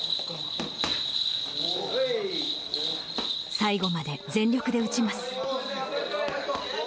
最後まで全力で打ちます。